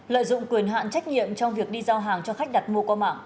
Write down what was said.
lợi dụng quyền hạn trách nhiệm trong việc đi giao hàng cho khách đặt mua qua mạng